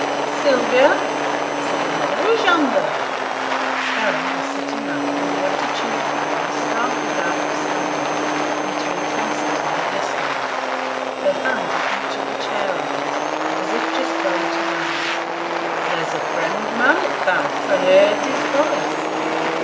'Sylvia!' said her mother, 'who's yonder?' Bell was sitting up in the attitude of one startled out of slumber into intensity of listening; her hands on each of the chair arms, as if just going to rise. 'There's a fremd man i' t' house. I heerd his voice!'